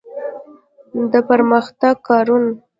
د پرمختګ کاروان.